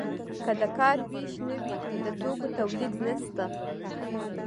که د کار ویش نه وي د توکو تولید نشته.